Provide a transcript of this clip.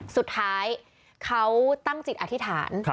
สุดท้ายเขาตั้งจิตอธิษฐาน